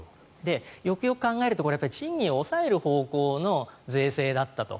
よくよく考えると賃金を抑える方向の税制だったと。